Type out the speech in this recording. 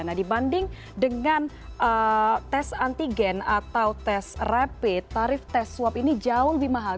nah dibanding dengan tes antigen atau tes rapid tarif tes swab ini jauh lebih mahal